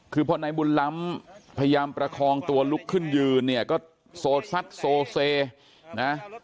คือพอนายบุญล้ำพยายามประคองตัวลุกขึ้นยืนเนี่ยก็โซซัดโซเซนะ